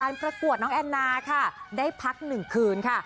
ประกวดน้องแอนนาค่ะได้พักหนึ่งคืนค่ะ